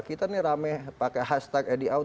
kita nih rame pakai hashtag edi out